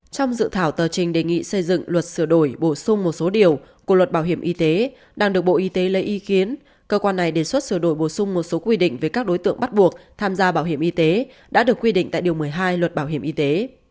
trong dự thảo tờ trình đề nghị xây dựng luật sửa đổi bổ sung một số điều của luật bảo hiểm y tế đang được bộ y tế lấy ý kiến cơ quan này đề xuất sửa đổi bổ sung một số quy định về các đối tượng bắt buộc tham gia bảo hiểm y tế đã được quy định tại điều một mươi hai luật bảo hiểm y tế